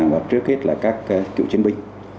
và trước hết là các cựu chiến binh